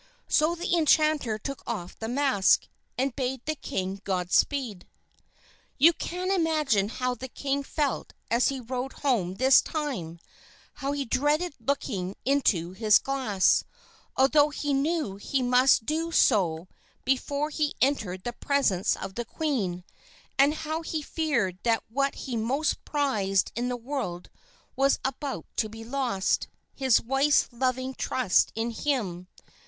So the enchanter took off the mask, and bade the king good speed. You can imagine how the king felt as he rode home this time; how he dreaded looking into his glass, although he knew he must do so before he entered the presence of the queen; and how he feared that what he most prized in this world was about to be lost his wife's loving trust in him.